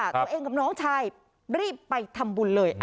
ตัวเองกับน้องชายรีบไปทำบุญเลย